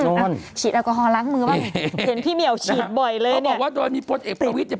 ฉีดแอลกอฮอลล้างมือบ้างเห็นพี่เหมียวฉีดบ่อยเลยเขาบอกว่าโดยมีพลเอกประวิทย์เนี่ย